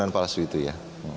kekasus palsu itu ya